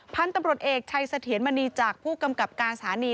พันธุ์ตำรวจเอกชัยเสถียรมณีจากผู้กำกับการสถานี